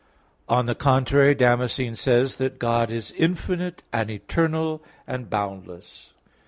On the contrary, Damascene says (De Fide Orth. i, 4) that "God is infinite and eternal, and boundless."